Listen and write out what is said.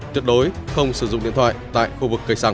tuyệt đối không sử dụng điện thoại tại khu vực cây xăng